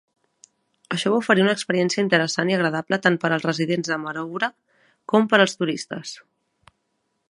Això va oferir una experiència interessant i agradable tant per als residents de Maroubra com per als turistes.